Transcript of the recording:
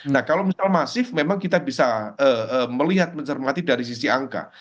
nah kalau misal masif memang kita bisa melihat mencermati dari sisi angka